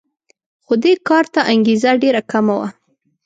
خو دې کار ته انګېزه ډېره کمه وه